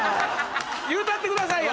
言うたってくださいよ！